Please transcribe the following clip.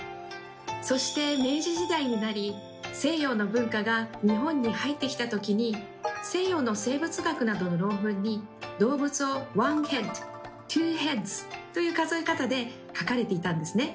そして明治時代になり西洋の文化が日本に入ってきた時に西洋の生物学などの論文に動物を「１ｈｅａｄ２ｈｅａｄｓ」という数え方で書かれていたんですね。